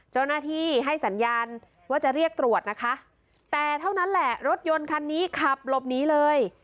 เจ้าหน้าที่ให้สัญญาณว่าจะเรียกตรวจนะคะแต่เท่านั้นแหละรถยนต์คันนี้ขับหลบหนีเลย